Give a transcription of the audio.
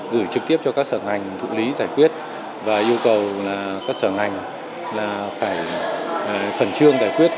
gửi trực tiếp cho các sở ngành thụ lý giải quyết và yêu cầu các sở ngành là phải khẩn trương giải quyết